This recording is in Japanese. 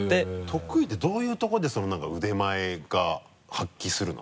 得意ってどういうとこでその何か腕前が発揮するの？